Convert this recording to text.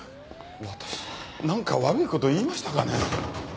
私なんか悪い事言いましたかね？